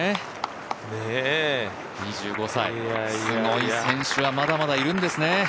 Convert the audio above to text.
２５歳、すごい選手はまだまだいるんですね。